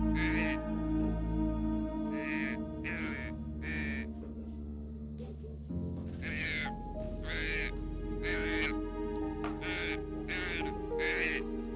bung tidak akan lepas dari tangan saya